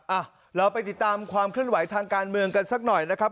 อ่ะเราไปติดตามความเคลื่อนไหวทางการเมืองกันสักหน่อยนะครับ